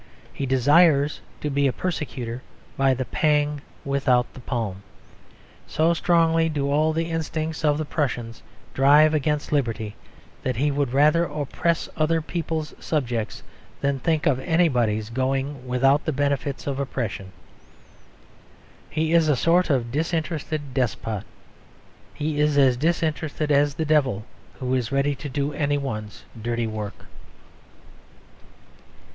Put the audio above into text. He desires to be a persecutor by the pang without the palm. So strongly do all the instincts of the Prussian drive against liberty, that he would rather oppress other people's subjects than think of anybody going without the benefits of oppression. He is a sort of disinterested despot. He is as disinterested as the devil who is ready to do any one's dirty work.